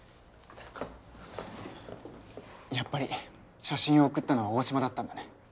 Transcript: やっぱり写真を送ったのは大島だったんだね。